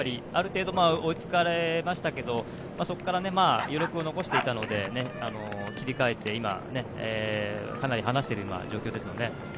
ある程度、追いつかれましたけどそこから余力を残していたので切り替えて今かなり離している状況ですよね。